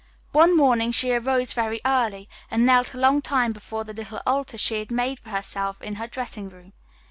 One morning she arose very early, and knelt a long time before the little altar she had made for herself in her dressing room.